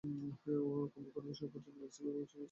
কমপক্ষে উনবিংশ শতকে মেক্সিকোর পশ্চিমাংশে এর উৎপত্তি ঘটেছে।